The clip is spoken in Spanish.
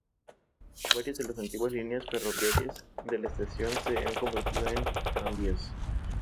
Varias de las antiguas líneas ferroviarias de la estación se han convertido en tranvías.